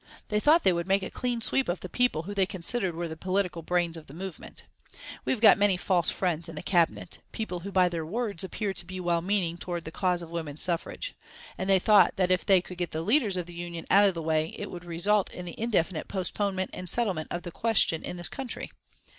They thought they would make a clean sweep of the people who they considered were the political brains of the movement. We have got many false friends in the Cabinet people who by their words appear to be well meaning towards the cause of Women's Suffrage. And they thought that if they could get the leaders of the Union out of the way, it would result in the indefinite postponement and settlement of the question in this country.